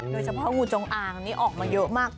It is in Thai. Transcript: โดยเฉพาะงูจงอางนี้ออกมาเยอะมาก